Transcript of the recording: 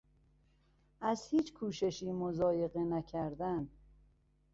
از هیچ کوششی مضایقه نکردن